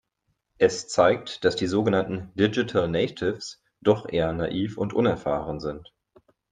Es zeigt, dass die sogenannten Digital Natives doch eher naiv und unerfahren sind.